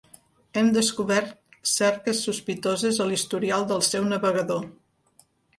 Hem descobert cerques sospitoses a l'historial del seu navegador.